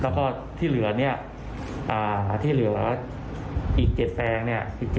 แล้วก็ที่เหลือนี้อีก๗แปลงเนี่ย